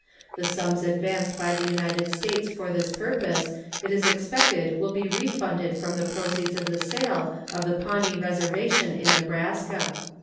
The sums advanced by the United States for this purpose it is expected will be refunded from the proceeds of the sale of the Pawnee Reservation in Nebraska.